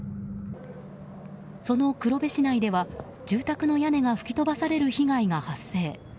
その黒部市内では住宅の屋根が吹き飛ばされる被害が発生。